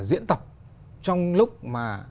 diễn tập trong lúc mà